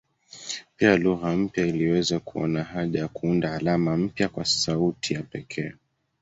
Pia lugha mpya iliweza kuona haja ya kuunda alama mpya kwa sauti ya pekee.